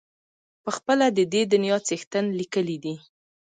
پخپله د دې دنیا څښتن لیکلی دی.